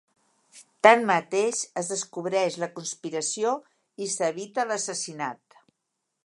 Tanmateix, es descobreix la conspiració i s'evita l'assassinat.